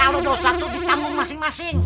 kalau dosa itu ditanggung masing masing